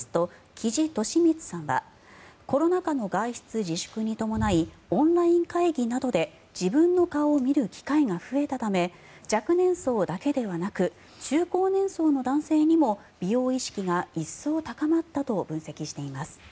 木地利光さんはコロナ禍の外出自粛に伴いオンライン会議などで自分の顔を見る機会が増えたため若年層だけではなく中高年層の男性にも美容意識が一層高まったと分析しています。